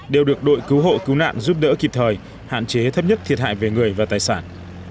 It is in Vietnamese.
đều được đội cứu hộ cứu nạn giúp đỡ kịp thời hạn chế thấp nhất thiệt hại về người và tài sản